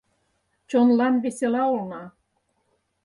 Чонлан весела улна.